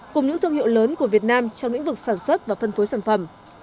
cùng những thương hiệu lớn của việt nam trong lĩnh vực sản xuất và phân phối sản phẩm